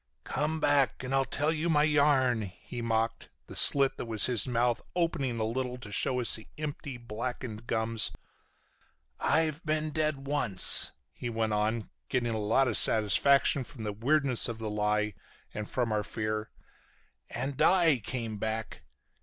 "Come back and I'll tell you my yarn," he mocked, the slit that was his mouth opening a little to show us the empty, blackened gums. "I've been dead once," he went on, getting a lot of satisfaction from the weirdness of the lie and from our fear, "and I came back.